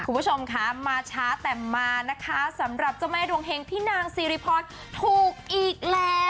คุณผู้ชมคะมาช้าแต่มานะคะสำหรับเจ้าแม่ดวงเฮงพี่นางซีริพรถูกอีกแล้ว